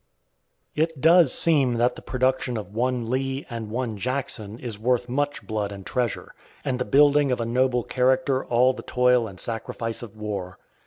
It does seem that the production of one Lee and one Jackson is worth much blood and treasure, and the building of a noble character all the toil and sacrifice of war.